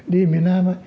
đi miền nam